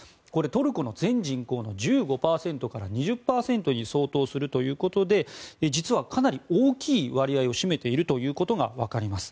トルコの全人口の１５％から２０％に相当するということで実は、かなり大きい割合を占めていることが分かります。